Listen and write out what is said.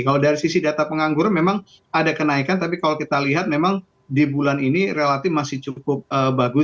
kalau dari sisi data pengangguran memang ada kenaikan tapi kalau kita lihat memang di bulan ini relatif masih cukup bagus